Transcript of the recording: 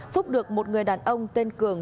phúc được một người đàn ông tên cường